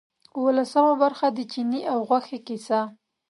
اوولسمه برخه د چیني او غوښې کیسه.